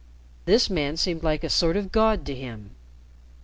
This man seemed like a sort of god to him.